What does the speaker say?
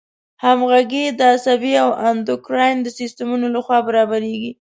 همغږي د عصبي او اندوکراین د سیستمونو له خوا برابریږي.